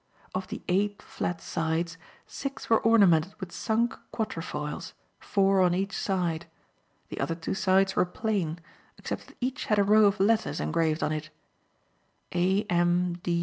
Of the eight flat sides, six were ornamented with sunk quatre foils, four on each side; the other two sides were plain except that each had a row of letters engraved on it A.M.